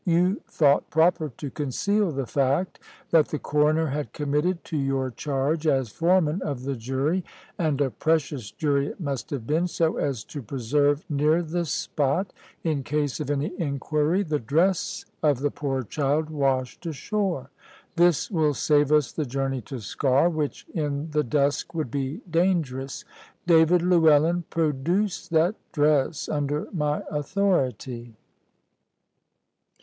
You thought proper to conceal the fact that the Coroner had committed to your charge as foreman of the jury and a precious jury it must have been so as to preserve near the spot, in case of any inquiry, the dress of the poor child washed ashore. This will save us the journey to Sker, which in the dusk would be dangerous. David Llewellyn, produce that dress, under my authority."